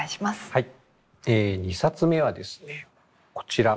はい。